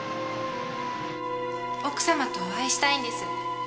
奥様とお会いしたいんです。